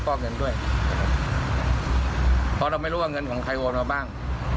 เพราะเราไม่รู้ว่าเงินของใครโวลดไปบ้าง